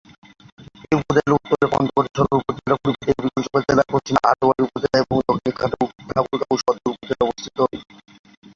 এই উপজেলার উত্তরে পঞ্চগড় সদর উপজেলা, পূর্বে দেবীগঞ্জ উপজেলা, পশ্চিমে আটোয়ারী উপজেলা, এবং দক্ষিণে ঠাকুরগাঁও সদর উপজেলা অবস্থিত।